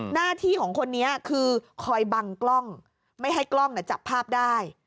หน้าที่ของคนนี้คือคอยบังกล้องไม่ให้กล้องจับภาพได้